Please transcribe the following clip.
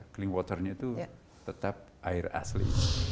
cling waternya itu tetap air asli